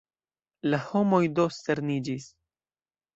La homoj do sterniĝis.